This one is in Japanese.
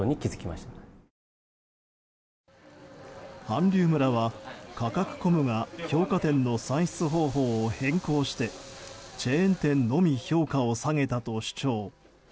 韓流村はカカクコムが評価点の算出方法を変更してチェーン店のみ評価を下げたと主張。